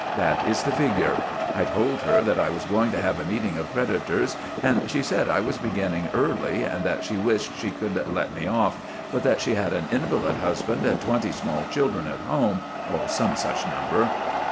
That is the figure. I told her that I was going to have a meeting of creditors, and she said I was beginning early and that she wished she could let me off, but that she had an invalid husband and twenty small children at home—or some such number."